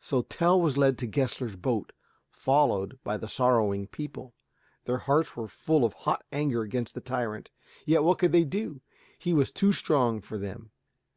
So Tell was led to Gessler's boat, followed by the sorrowing people. Their hearts were full of hot anger against the tyrant. Yet what could they do? He was too strong for them.